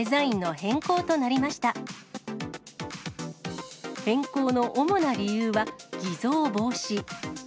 変更の主な理由は、偽造防止。